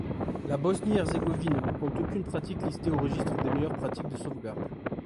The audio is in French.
La Bosnie-Herzégovine ne compte aucune pratique listée au registre des meilleures pratiques de sauvegarde.